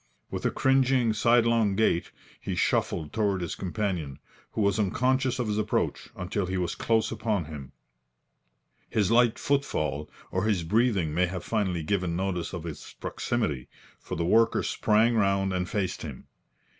With a cringing, sidelong gait, he shuffled toward his companion, who was unconscious of his approach until he was close upon him. His light footfall or his breathing may have finally given notice of his proximity, for the worker sprang round and faced him.